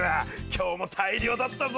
今日も大漁だったぞ！